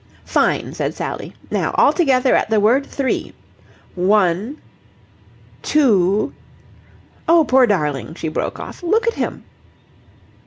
"Fine!" said Sally. "Now, all together at the word 'three.' One two Oh, poor darling!" she broke off. "Look at him!"